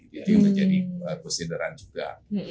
jadi menjadi kesederhan juga